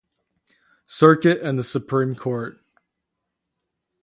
Circuit and the Supreme Court.